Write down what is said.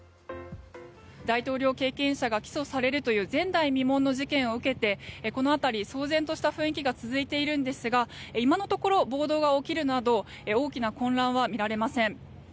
大統領経験者が起訴されるという前代未聞の事件を受けてこの辺り、騒然とした雰囲気が続いているんですが今のところ、暴動が起きるなど大きな混乱は見られません。